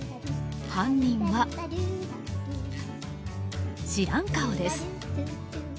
犯人は知らん顔です。